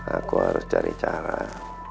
aku harus cari cara